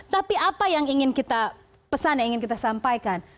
tapi apa yang ingin kita pesan yang ingin kita sampaikan